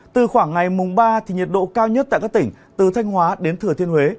từ khoảng ngày mùng ba nhiệt độ cao nhất tại các tỉnh từ thanh hóa đến thừa thiên huế